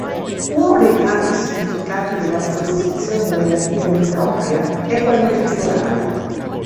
Uno dei tanti significati della proposizione relativa impropria è quello temporale.